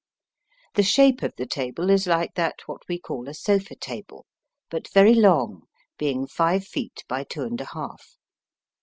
The shape of the table is like that we call a sofa table, but very long, being five feet by two and a half.